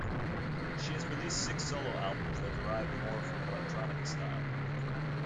She has released six solo albums that derive more from an electronica style.